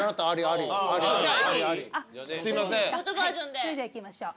それではいきましょう。